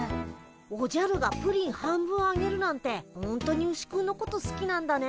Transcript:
おじゃるがプリン半分あげるなんてほんとにウシくんのことすきなんだね。